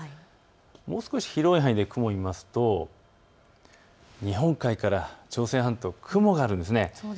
もう少し広い範囲で雲を見ますと日本海から朝鮮半島、雲があるんです。